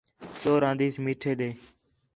چور آندیس میٹھے ݙے